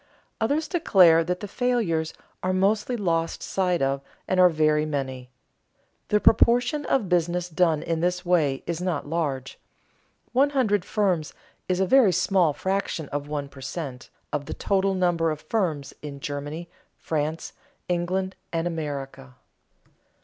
Others declare that the failures are mostly lost sight of and are very many. The proportion of business done in this way is not large. One hundred firms is a very small fraction of one per cent. of the total number of firms in Germany, France, England, and America.